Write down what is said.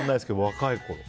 若いころ。